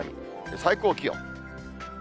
最高気温。